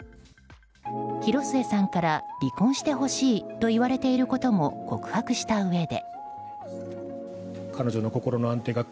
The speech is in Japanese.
広末さんから離婚してほしいと言われていることも告白したうえで。